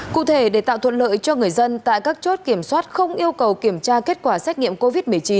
cụ thể để tạo thuận lợi cho người dân tại các chốt kiểm soát không yêu cầu kiểm tra kết quả xét nghiệm covid một mươi chín